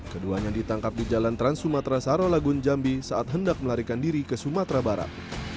keduanya ditangkap di jalan trans sumatra sarawak lagun jambi saat hendak melarikan diri ke sumatra barat